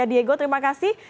diego terima kasih